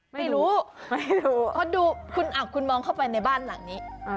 ไม่รู้เพราะดูคุณอ่ะคุณมองเข้าไปในบ้านหลังนี้